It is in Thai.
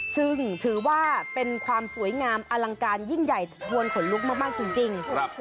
ซึ่งถือว่าเป็นความสวยงามอลังการยิ่งใหญ่ชวนขนลุกมากจริง